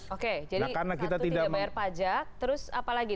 oke jadi satu tidak bayar pajak terus apa lagi